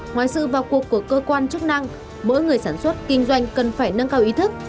ngoài sự vào cuộc của cơ quan chức năng mỗi người sản xuất kinh doanh cần phải nâng cao ý thức